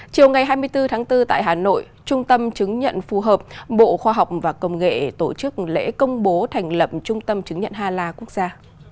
chiều ngày hai mươi bốn tháng bốn tại hà nội trung tâm chứng nhận phù hợp bộ khoa học và công nghệ tổ chức lễ công bố thành lập trung tâm chứng nhận hà la quốc gia